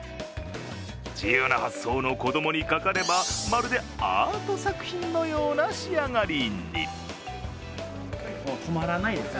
自由な発想の子供にかかればまるでアート作品のような仕上がりに。